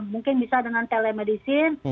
mungkin bisa dengan telemedicine